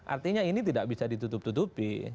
artinya ini tidak bisa ditutup tutupi